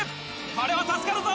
これは助かるぞ！